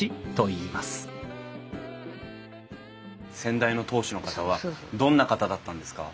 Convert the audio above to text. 先代の当主の方はどんな方だったんですか？